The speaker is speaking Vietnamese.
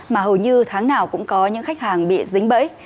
mà hầu như tháng nào cũng có những khách hàng bị dính bẫy